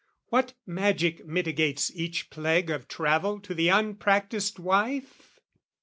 What magic mitigates Each plague of travel to the unpractised wife?